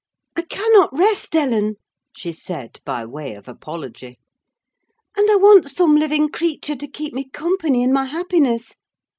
"I cannot rest, Ellen," she said, by way of apology. "And I want some living creature to keep me company in my happiness!